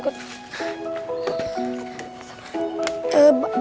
ini lah duluan